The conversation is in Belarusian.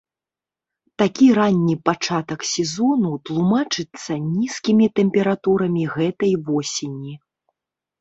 Такі ранні пачатак сезону тлумачыцца нізкімі тэмпературамі гэтай восені.